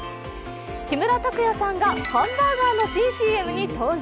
木村拓哉さんがハンバーガーの新ＣＭに登場。